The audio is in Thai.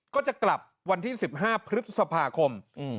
ก็จะกลับวันที่๑๕พฤษภาคม